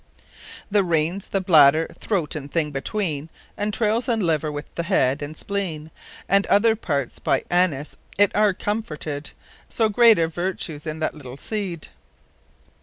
_The Reyns, the Bladder, throat, & thing between Enatrailes and Liver, with the Head, and spleen And other Parts, by [C] it are comforted: So great a vertue's in that little seed.